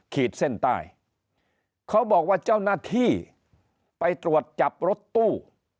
ขีดเส้นใต้เขาบอกว่าเจ้าหน้าที่ไปตรวจจับรถตู้